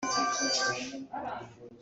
A holh a aa.